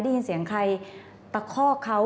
ได้ยินเสียงใครตะคอกเขา